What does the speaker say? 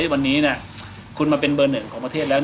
วันนี้คุณมาเป็นเบอร์หนึ่งของประเทศแล้ว